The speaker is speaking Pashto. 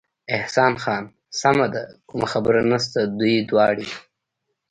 احسان خان: سمه ده، کومه خبره نشته، دوی دواړې.